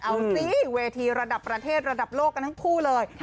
เอาสิเวทีระดับประเทศระดับโลกกันทั้งคู่เลย